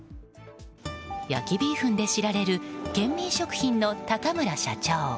焼きビーフンで知られるケンミン食品の高村社長。